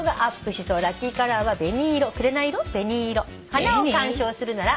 「花を観賞するなら」？